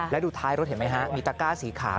แล้วดูท้ายรถเห็นไหมฮะมีตะก้าสีขาว